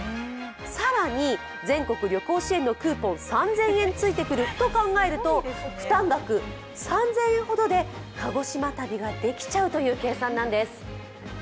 更に、全国旅行支援のクーポン３０００円がついてくると考えると負担額３０００円ほどで鹿児島旅ができちゃうという計算なんです。